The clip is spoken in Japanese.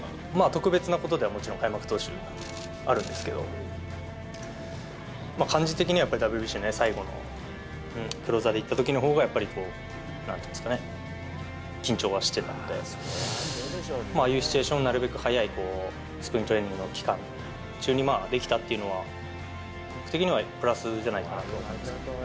特別なことではもちろん開幕投手、あるんですけど、感じ的にはＷＢＣの最後のクローザーでいったときのほうが、やっぱりこう、なんていうんですかね、緊張はしてたんで、ああいうシチュエーションを、なるべくはやいスプリングトレーニングの期間中にできたというのは、僕的にはプラスじゃないかなと思うんですけど。